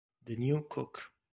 The New Cook